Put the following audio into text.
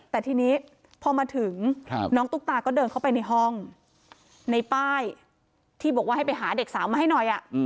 แต่ทีนี้พอมาถึงน้องตุ๊กตาก็เดินเข้าไปในห้องในป้ายที่บอกว่าให้ไปหาเด็กสาวมาให้หน่อย